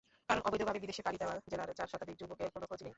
কারণ, অবৈধভাবে বিদেশে পাড়ি দেওয়া জেলার চার শতাধিক যুবকের কোনো খোঁজ নেই।